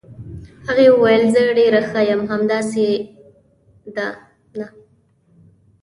هغې وویل: زه ډېره ښه یم، همداسې ده، نه؟